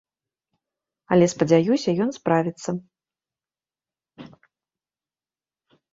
Але, спадзяюся, ён справіцца.